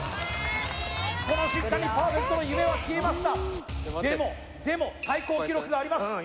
この瞬間にパーフェクトの夢は消えましたでもでも最高記録があります